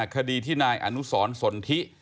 คดีที่นายอนุสรสนทิ